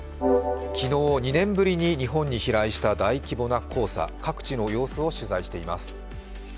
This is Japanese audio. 昨日２年ぶりに日本に飛来した大規模な黄砂各地の様子を取材しています。